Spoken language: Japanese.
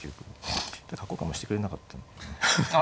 角交換もしてくれなかったんだよね。